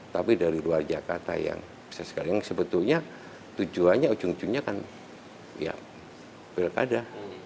tapi dari luar jakarta yang sebetulnya tujuannya ujung ujungnya kan ya wilkada